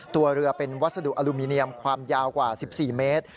ตัวเรือเป็นวัสดุอลูมิเนียมความยาวกว่า๑๔เมตร